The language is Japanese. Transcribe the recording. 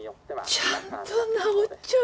ちゃんと直っちょる。